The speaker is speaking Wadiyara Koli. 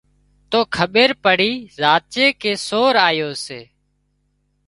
تو کٻير پڙي زاتي ڪي سور آيو سي